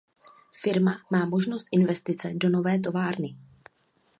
Firma má možnost investice do nové továrny.